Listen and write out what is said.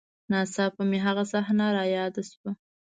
نا څاپه مې هغه صحنه راياده سوه.